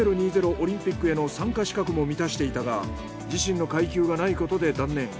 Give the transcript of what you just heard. オリンピックへの参加資格も満たしていたが自身の階級がないことで断念。